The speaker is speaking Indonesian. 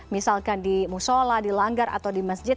misalkan di musola di langgar atau di masjid